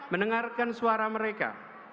mendengarkan suara mereka